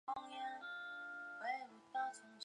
非法森林开发亦为一些村民的收入来源。